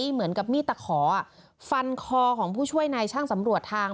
เหมือนกับมีดตะขอฟันคอของผู้ช่วยนายช่างสำรวจทาง